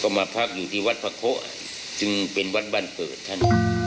มาพักอยู่ที่วัดพระโคะจึงเป็นวัดบ้านเกิดท่าน